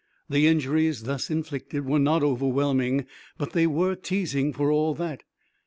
The injuries thus inflicted were not overwhelming, but they were teasing for all that.